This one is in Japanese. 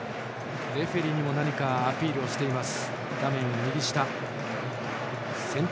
レフリーにも何かアピールしています。